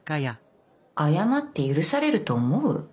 謝って許されると思う？